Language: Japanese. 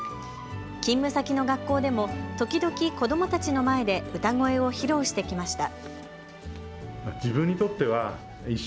勤務先の学校でも時々、子どもたちの前で歌声を披露してきました。